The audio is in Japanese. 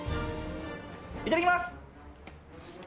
いただきます。